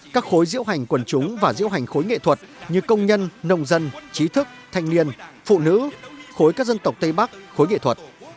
các khối diễu hành quần chúng và diễu hành khối nghệ thuật như công nhân nông dân trí thức thanh niên phụ nữ khối các dân tộc tây bắc khối nghệ thuật